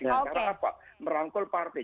dengan cara apa merangkul partai